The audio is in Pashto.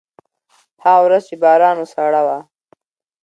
هغه ورځ چې باران و، سړه وه.